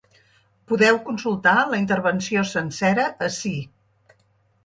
Podeu consultar la intervenció sencera ací.